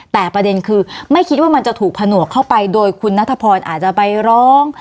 แต่ประเด็นคือไม่คิดว่ามันจะถูกผนวกเข้าไปโดยคุณนัทพรอาจจะไปร้อง